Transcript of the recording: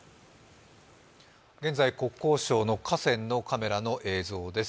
現在、国交省の河川の映像です。